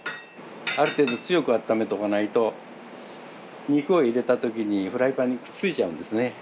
ある程度強くあっためとかないと肉を入れた時にフライパンにくっついちゃうんですね。